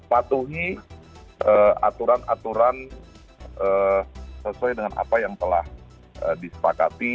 patuhi aturan aturan sesuai dengan apa yang telah disepakati